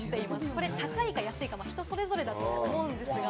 これ高いか安いかは、人それぞれだと思いますが。